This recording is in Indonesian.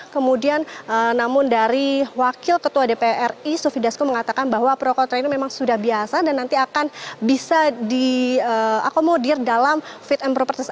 kemudian namun dari wakil ketua dpr ri sufi dasko mengatakan bahwa pro kontra ini memang sudah biasa dan nanti akan bisa diakomodir dalam fit and proper test